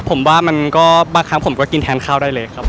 ผมว่ามันก็บางครั้งผมก็กินแทนข้าวได้เลยครับ